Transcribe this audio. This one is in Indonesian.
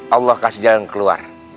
allah kasih jalan keluar